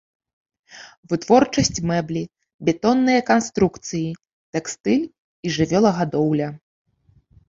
Вытворчасць мэблі, бетонныя канструкцыі, тэкстыль і жывёлагадоўля.